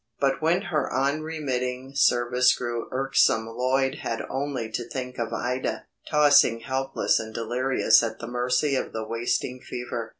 But when her unremitting service grew irksome Lloyd had only to think of Ida, tossing helpless and delirious at the mercy of the wasting fever.